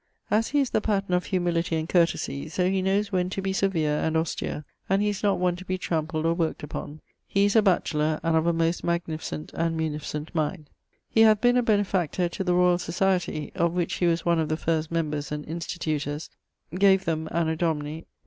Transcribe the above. As he is the pattern of humility and courtesie, so he knowes when to be severe and austere; and he is not one to be trampled or worked upon. He is a batchelour, and of a most magnificent and munificent mind. He hath been a benefactor to the Royall Societie, (of which he was one of the first members and institutors[XCIX.]), gave them, Anno Domini